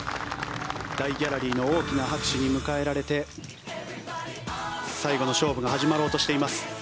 大ギャラリーの大きな拍手に迎えられて最後の勝負が始まろうとしています。